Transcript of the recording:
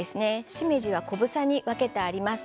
しめじは小房に分けてあります。